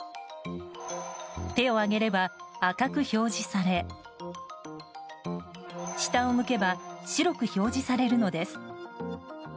手を挙げれば赤く表示され下を向けば白く表示されるのです。